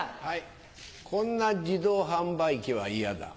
こんな自動販売機は嫌だ。